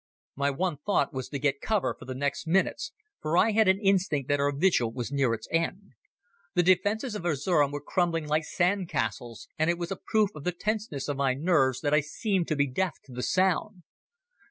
My one thought was to get cover for the next minutes, for I had an instinct that our vigil was near its end. The defences of Erzerum were crumbling like sand castles, and it was a proof of the tenseness of my nerves that I seemed to be deaf to the sound.